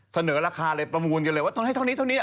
เสนอราคาเลยประมูลกันเลยว่าขนาดนี้เรียกว่าเท่านี้